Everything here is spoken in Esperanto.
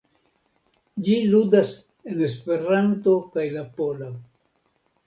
Ĝi ludas en Esperanto kaj la pola.